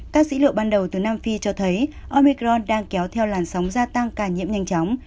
các dữ liệu ban đầu từ nam phi cho thấy omicron đang kéo theo làn sóng gia tăng ca nhiễm nhanh chóng